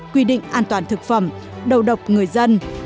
quy định an toàn thực phẩm đầu độc người dân